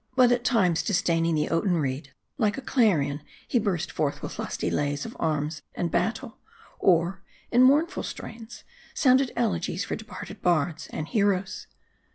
But at times disdaining the oaten reed, like a clarion he burst forth with lusty lays of arms and battle ; or, in mournful strains, sounded elegies for departed bards and heroes.